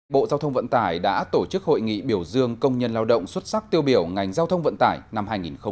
bộ giao thông vận tải đã tổ chức hội nghị biểu dương công nhân lao động xuất sắc tiêu biểu ngành giao thông vận tải năm hai nghìn một mươi chín